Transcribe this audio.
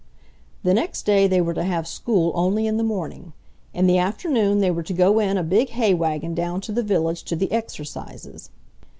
The next day they were to have school only in the morning. In the afternoon they were to go in a big hay wagon down to the village to the "exercises."